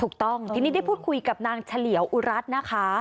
ถูกต้องทีนี้ได้พูดคุยกับนางเฉลียวอุรัตน์นะคะ